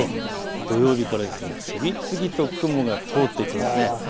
土曜日から次々と雲が通っていきます。